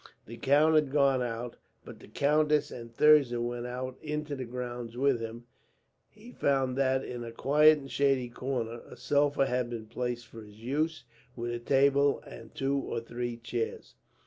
The count had gone out, but the countess and Thirza went out into the grounds with him; and he found that, in a quiet and shady corner, a sofa had been placed for his use, with a table and two or three chairs.